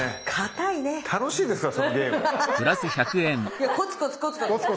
いやコツコツコツコツ。